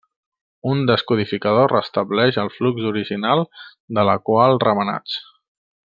Un descodificador restableix el flux original de la qual remenats.